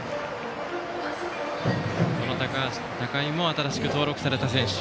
高井も新しく登録された選手。